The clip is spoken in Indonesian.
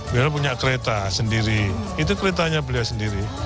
beliau punya kereta sendiri itu keretanya beliau sendiri